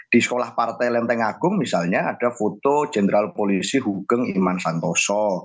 di sekolah partai lenteng agung misalnya ada foto jenderal polisi hugeng iman santoso